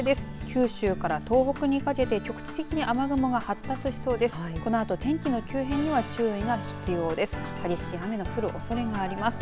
九州から東北にかけて局地的に雨雲が発達しそうです。